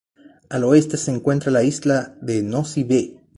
Al oeste se encuentra la isla de Nosy Be.